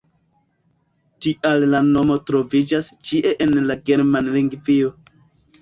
Tial la nomo troviĝas ĉie en la Germanlingvio.